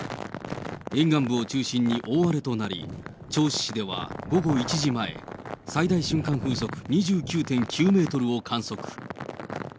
沿岸部を中心に大荒れとなり、銚子市では午後１時前、最大瞬間風速２９．９メートルを観測。